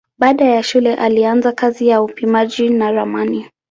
Baada ya shule alianza kazi ya upimaji na ramani.